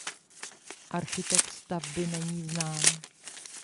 Architekt stavby není znám.